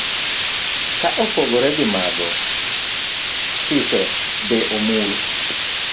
Ka opogore gi mago, chike be omul.